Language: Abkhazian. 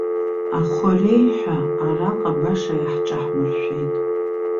Ахореи ҳәа араҟа баша иаҳҿаҳмыршәеит.